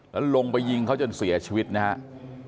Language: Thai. แล้วลงไปยิงเขาจนเสียชีวิตนะครับ